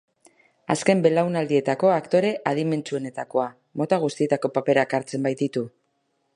Azken belaunaldietako aktore adimentsuenetakoa, mota guztietako paperak hartzen baititu.